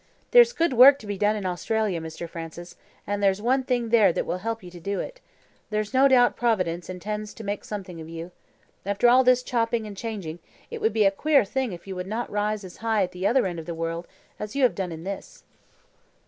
"There's good work to be done in Australia, Mr. Francis, and there's one there that will help you to do it. There's no doubt Providence intends to make something of you. After all this chopping and changing, it would be a queer thing if you would not rise as high at the other end of the world as you have done in this."